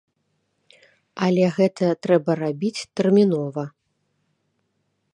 Але гэта трэба рабіць тэрмінова.